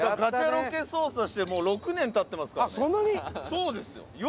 そうですよ！